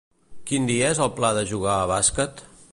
Quin dia és el pla de jugar a bàsquet?